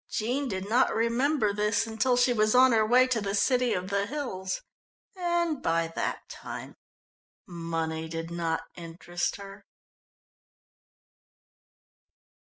Jean did not remember this until she was on her way to the city of the hills, and by that time money did not interest her.